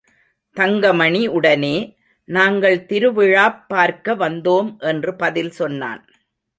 தங்கமணி உடனே, நாங்கள் திருவிழாப் பார்க்க வந்தோம் என்று பதில் சொன்னான்.